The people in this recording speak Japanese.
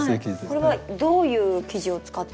これはどういう生地を使ってるんですか？